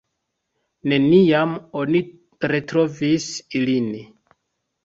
Neniam oni retrovis ilin.